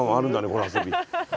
この遊び。